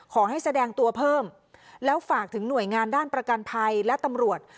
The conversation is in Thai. แสดงตัวเพิ่มแล้วฝากถึงหน่วยงานด้านประกันภัยและตำรวจ